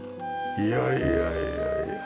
いやいやいやいや。